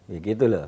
ya gitu loh